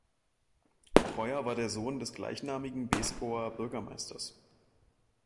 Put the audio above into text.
Treuer war der Sohn des gleichnamigen Beeskower Bürgermeisters.